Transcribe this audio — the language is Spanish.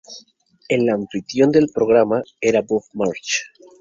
El anfitrión del programa era Bob March.